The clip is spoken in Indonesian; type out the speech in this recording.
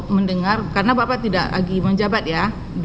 mendengar karena bapak tidak lagi menjabat ya